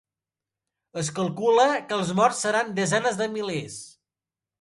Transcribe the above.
Es calcula que els morts seran desenes de milers.